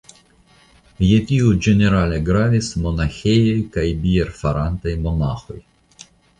Je tio ĝenerale gravis monaĥejoj kaj bierfarantaj monaĥoj.